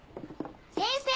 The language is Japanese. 先生！